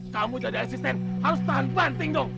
kamu jadi asisten harus tahan banting dong